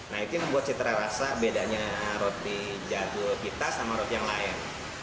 nah itu membuat citra rasa bedanya roti jadul kita sama roti yang lain